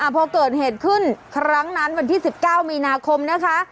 พอเกิดเหตุขึ้นครั้งนั้นวันที่๑๙มีนาคมนะคะ